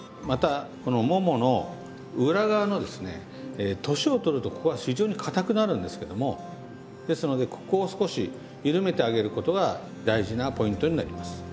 またこのももの裏側のですね年を取るとここが非常に硬くなるんですけどもですのでここを少し緩めてあげることが大事なポイントになります。